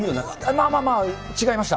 まあまあまあ、違いました。